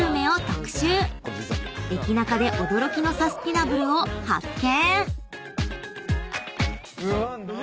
［駅ナカで驚きのサスティナブルを発見！］